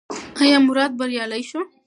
ایا مراد بریالی شو؟